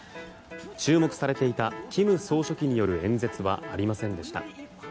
注目されていた金総書記による演説はありませんでした。